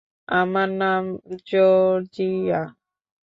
আমার নাম জর্জিয়া।